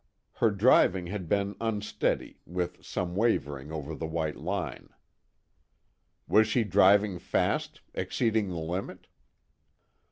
Her driving had been unsteady, with some wavering over the white line. "Was she driving fast, exceeding the limit?"